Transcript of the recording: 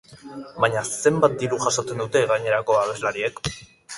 Baina zenbat diru jasotzen dute gainerako abeslariek?